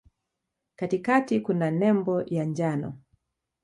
Katikati kuna nembo ya njano.